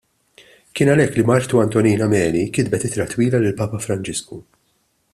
Kien għalhekk li Martu Antonina Meli kitbet ittra twila lill-Papa Franġisku.